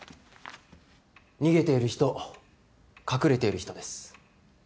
逃げている人隠れている人です。